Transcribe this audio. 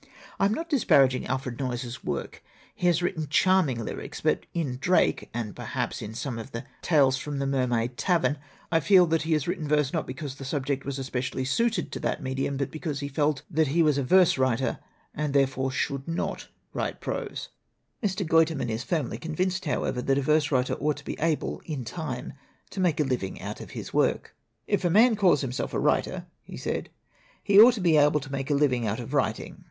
I am not disparaging Alfred Noyes' s work; he has written charming lyrics, but in Drake, and per haps in some of the Tales from the Mermaid Tavern, I feel that he has written verse not be LITERATURE IN THE MAKING cause the subject was especially suited to that medium, but because he felt that he was a verse writer and therefore should not write prose." Mr. Guiterman is firmly convinced, however, that a verse writer ought to be able, in time, to make a living out of his work. "If a man calls himself a writer," he said, "he ought to be able to make a living out of writing.